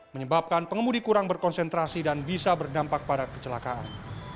menyebabkan pengemudi kurang berkonsentrasi dan bisa berdampak pada kecelakaan